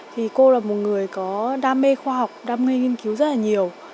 thì cô là một người có đam mê khoa học đam mê nghiên cứu rất là nhiều